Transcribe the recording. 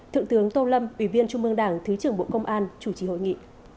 thượng tướng tô lâm ủy viên trung mương đảng thứ trưởng bộ công an chủ trì hội nghị